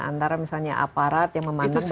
antara misalnya aparat yang memandang